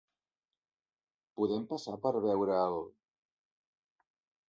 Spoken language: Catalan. Podem passar per veure el...?